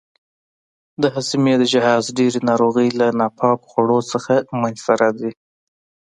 د هاضمې د جهاز ډېرې ناروغۍ له ناپاکو خوړو څخه منځته راځي.